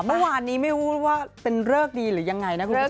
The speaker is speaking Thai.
เมื่อวานนี้ไม่รู้ว่าเป็นเริกดีหรือยังไงนะคุณผู้ชม